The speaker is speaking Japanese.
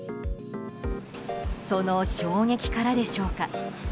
その衝撃からでしょうか。